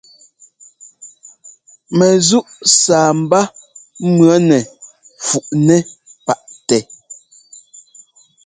Mɛzúʼ sâbá mʉ̈nɛ fuʼnɛ paʼtɛ.